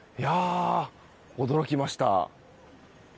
驚きました。